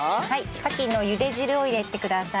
カキの茹で汁を入れてください。